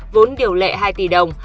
vốn điều lệ hai tỷ đồng